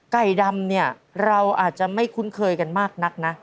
ไก่ดำเนี่ยเราอาจจะไม่คุ้นเคยกันมากนักนะ